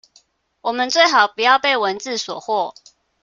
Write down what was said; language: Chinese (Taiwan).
我們最好不要被文字所惑